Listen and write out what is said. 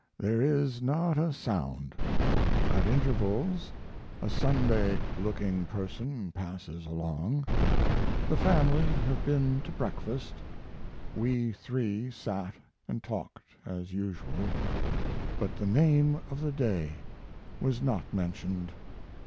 There is not a sound. At intervals a Sunday looking person passes along. The family have been to breakfast. We three sat & talked as usual, but the name of the day was not mentioned.